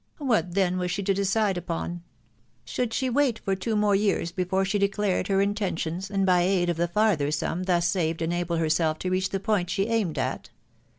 " "What then was she to decide upon ? Should she wait for two more years before she de clared her intentions, and by aid of the farther sum thus saved enable herself to reach the point she aimed at